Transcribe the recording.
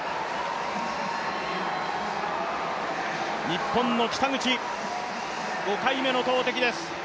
日本の北口、５回目の投てきです。